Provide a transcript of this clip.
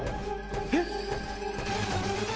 えっ？